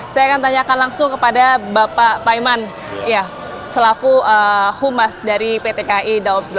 saya akan tanyakan langsung kepada bapak paiman selaku humas dari pt kai daob sembilan